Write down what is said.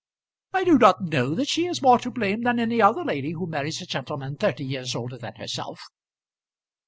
"I do not know that she is more to blame than any other lady who marries a gentleman thirty years older than herself."